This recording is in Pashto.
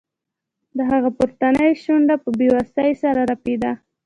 د هغه پورتنۍ شونډه په بې وسۍ سره رپیده